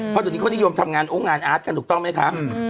พอตอนนี้คนนิยมทำงานอุ้งงานอาร์ตกันถูกต้องไหมครับ